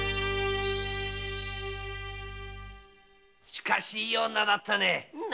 しかしいい女だったね！